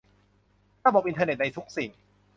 ระบบอินเทอร์เน็ตในทุกสิ่ง